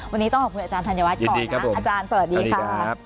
วันนี้ต้องขอบคุณอาจารย์ธัญวัฒน์ก่อนนะอาจารย์สวัสดีค่ะ